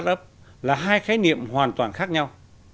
khởi nghiệp và sản phẩm là hai khái niệm hoàn toàn khác nhau